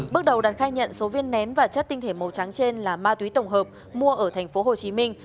bước đầu đạt khai nhận số viên nén và chất tinh thể màu trắng trên là ma túy tổng hợp mua ở thành phố hồ chí minh